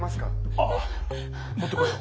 ・ああ持ってこよう。